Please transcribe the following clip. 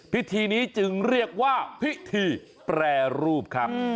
พิธีนี้จึงเรียกว่าพิธีแปรรูปครับ